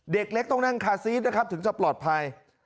เด็กเล็กต้องนั่งคาซีสนะครับถึงจะปลอดภัย